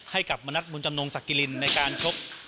ให้กับมณัฐบุญจำนงศักดิรินในการชก